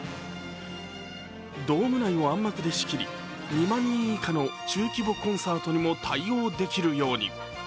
ドーム内を暗幕で仕切り、２万人以下の中規模コンサートにも対応できるように。